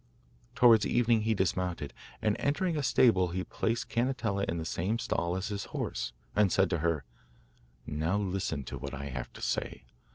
Towards evening he dismounted, and entering a stable he placed Cannetella in the same stall as his horse, and said to her: 'Now listen to what I have to say.